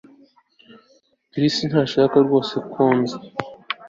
Chris ntashaka rwose ko nza